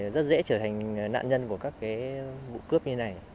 rất dễ trở thành nạn nhân của các vụ cướp như này